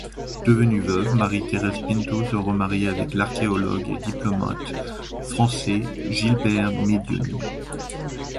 Devenue veuve, Marie Thérése Pinto se remarie avec l'archéologue et diplomate français Gilbert Médioni.